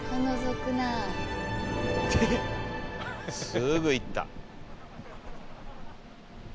すぐ行った。